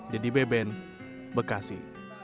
dedy beben bekasi